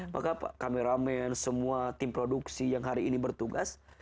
maka kameramen semua tim produksi yang hari ini bertugas